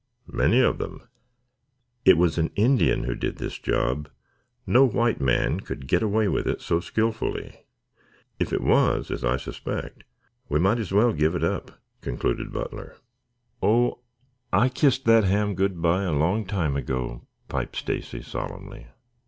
"Many of them." "It was an Indian who did this job. No white man could get away with it so skilfully. If it was, as I suspect, we might as well give it up," concluded Butler. "Oh, I kissed that ham good by a long time ago," piped Stacy solemnly.